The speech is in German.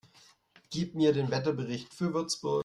Gib mir den Wetterbericht für Würzburg